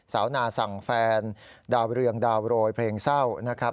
สาวนาสั่งแฟนดาวเรืองดาวโรยเพลงเศร้านะครับ